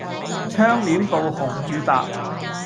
窗簾布紅與白